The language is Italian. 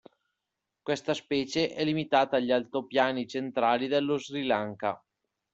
Questa specie è limitata agli altopiani centrali dello Sri Lanka.